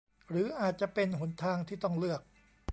หรืออาจจะเป็นหนทางที่ต้องเลือก